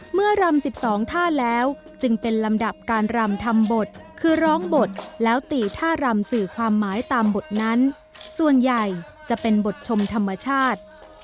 รำ๑๒ท่าแล้วจึงเป็นลำดับการรำทำบทคือร้องบทแล้วตีท่ารำสื่อความหมายตามบทนั้นส่วนใหญ่จะเป็นบทชมธรรมชาติ